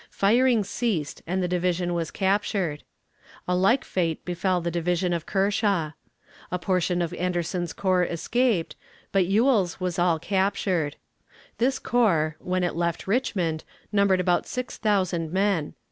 Firing ceased, and the division was captured. A like fate befell the division of Kershaw. A portion of Anderson's corps escaped, but Ewell's was all captured. This corps, when it left Richmond, numbered about six thousand men.